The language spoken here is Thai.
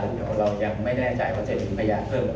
เรายังไม่แน่ใจว่าจะถึงพยานเพิ่ม